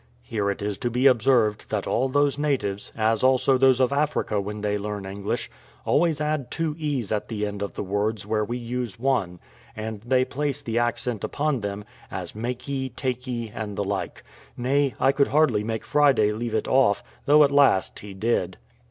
Here it is to be observed that all those natives, as also those of Africa when they learn English, always add two e's at the end of the words where we use one; and they place the accent upon them, as makee, takee, and the like; nay, I could hardly make Friday leave it off, though at last he did.